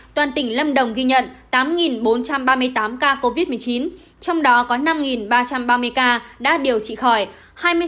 toàn tỉnh lâm đồng ghi nhận tám bốn trăm ba mươi tám ca covid một mươi chín trong đó có năm ba trăm ba mươi ca đã điều trị khỏi